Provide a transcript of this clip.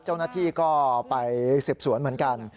เจ้าหน้าที่ก็ไปสืบสวนเหมือนกัน